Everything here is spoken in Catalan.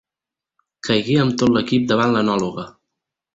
Caigué amb tot l'equip davant l'enòloga.